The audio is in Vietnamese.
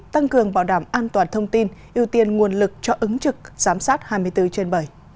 tăng cường bảo đảm an toàn thông tin ưu tiên nguồn lực cho ứng trực giám sát hai mươi bốn trên bảy